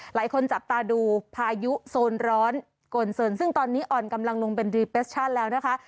หลายคนจับตาดูพายุโซนร้อนโกนเซินซึ่งตอนนี้อ่อนกำลังลงเป็นดรีเปสชั่นแล้วนะคะ